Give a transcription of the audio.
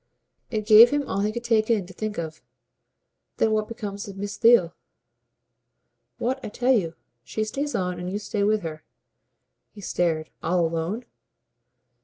It gave him all he could take in to think of. "Then what becomes of Miss Theale?" "What I tell you. She stays on, and you stay with her." He stared. "All alone?"